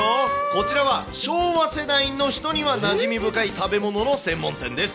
こちらは昭和世代の人にはなじみ深い食べ物の専門店です。